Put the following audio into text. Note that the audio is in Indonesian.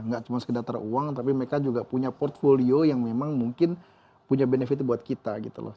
nggak cuma sekedar uang tapi mereka juga punya portfolio yang memang mungkin punya benefit buat kita gitu loh